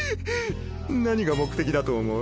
何が目的だと思う？